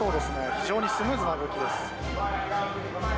非常にスムーズな動きです。